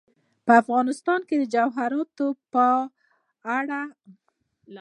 په افغانستان کې د جواهرات لپاره طبیعي شرایط مناسب دي.